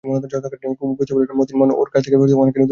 কুমু বুঝতে পারছিল, মোতির মার মন ওর কাছ থেকে অনেকখানি সরে এসেছে।